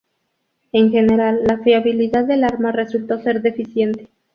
En general, la fiabilidad del arma resultó ser deficiente.